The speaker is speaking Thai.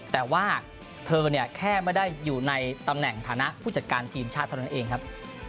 แต่ว่าเธอเนี่ยแค่ไม่ได้อยู่ในตำแหน่งฐานะผู้จัดการทีมชาติเท่านั้นเองครับ